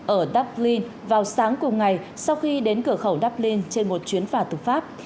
ở dublin vào sáng cùng ngày sau khi đến cửa khẩu dublin trên một chuyến phà từ pháp